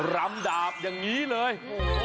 รำดาบอย่างนี้เลย